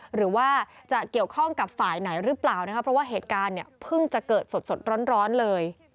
หรือว่าจะเกี่ยวข้องกับฝ่ายไหนหรือเปล่านะคะเพราะว่าเหตุการณ์เนี่ยเพิ่งจะเกิดสดร้อนเลย